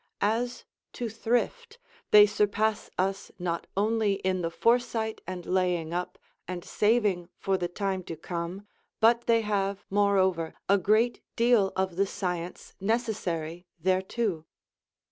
As to thrift, they surpass us not only in the foresight and laying up, and saving for the time to come, but they have, moreover, a great deal of the science necessary thereto.